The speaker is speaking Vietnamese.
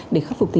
để khá là phổ biến